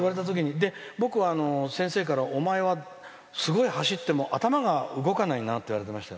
お前は、すごい走っても頭が動かないなって言われてましたよ。